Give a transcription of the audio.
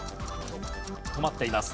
止まっています。